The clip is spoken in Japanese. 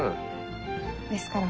ですから。